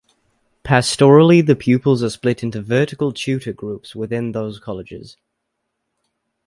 Pastorally the pupils are split into vertical tutor groups within those colleges.